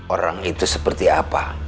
orang itu seperti apa